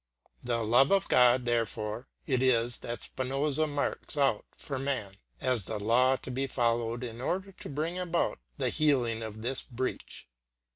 The love of God, therefore, it is that Spinozism marks out for man as the law to be followed in order to bring about the healing of this breach.